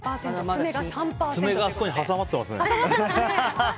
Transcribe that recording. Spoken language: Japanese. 爪が挟まってますね。